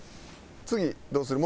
次どうする？